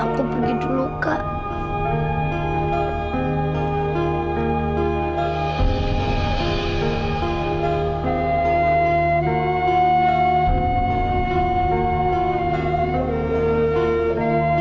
aku pergi dulu kak